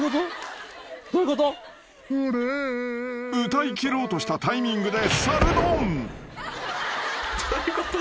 ［歌いきろうとしたタイミングで猿ドン］